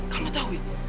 kamu tahu wih